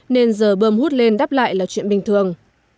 nên giờ bơm hút lên đáp lại là chuyện bình thường